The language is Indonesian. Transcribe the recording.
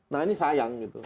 nah ini sayang gitu